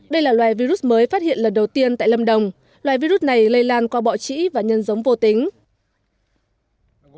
đây là loài virus mới phát hiện lần đầu tiên tại lâm đồng loài virus này lây lan qua bọ trĩ và nhân giống vô tính